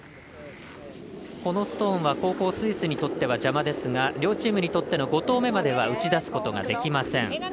このストーンは後攻、スイスにとっては邪魔ですが、両チームにとっての５投目までは打ち出すことができません。